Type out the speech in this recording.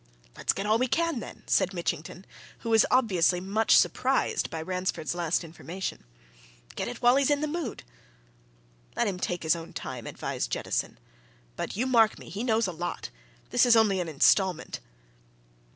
"Let's get all we can, then," said Mitchington, who was obviously much surprised by Ransford's last information. "Get it while he's in the mood." "Let him take his own time," advised Jettison. "But you mark me! he knows a lot! This is only an instalment."